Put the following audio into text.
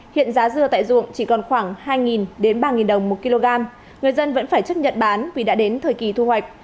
hiện giá dưa tại ruộng chỉ còn khoảng hai ba đồng một kg người dân vẫn phải chấp nhận bán vì đã đến thời kỳ thu hoạch